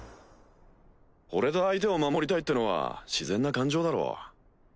ほれた相手を守りたいってのは自然な感情だろ。